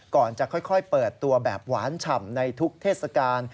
ก่อนจะค่อยเปิดตัวแบบหวานฉ่ำในทุกเทศกาล